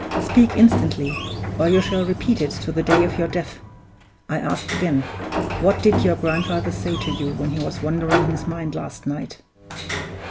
Speak instantly, or you shall repeat it to the day of your death! I ask again what did your grandfather say to you when he was wandering in his mind last night?"